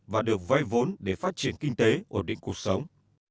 và được vay vốn để phát triển kinh tế ổn định cuộc sống